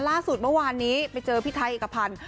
ล่าสุดเมื่อวานนี้ไปเจอพี่ไทยเอกพันธ์